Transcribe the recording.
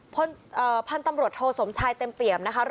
พ่นเอ่อพันธุ์ตำรวจโทสมชายเต็มเปรียบนะคะ